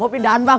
mau pindahan bang